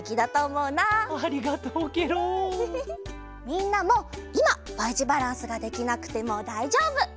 みんなもいまＹじバランスができなくてもだいじょうぶ！